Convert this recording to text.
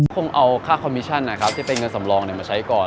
คงเอาค่าคอมมิชั่นนะครับที่เป็นเงินสำรองมาใช้ก่อน